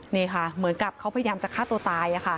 นี่ค่ะเหมือนกับเขาพยายามจะฆ่าตัวตาย